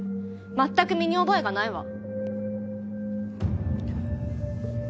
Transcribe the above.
全く身に覚えがないわ。